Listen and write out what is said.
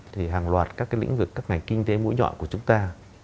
thì hàng loạt các cái lĩnh vực các ngành kinh tế mũi nhọn của chúng ta